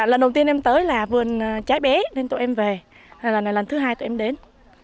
lần đầu tiên em tới là vườn trái bé nên tụi em về lần này lần thứ hai tụi em đến